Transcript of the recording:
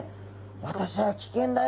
「私は危険だよ。